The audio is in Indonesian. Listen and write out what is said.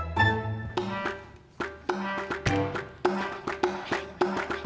artinya kurang peduli